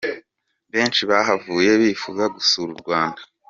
Benshi bahavuye bifuza gusura u Rwanda.